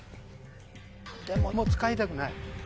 でももう使いたくない。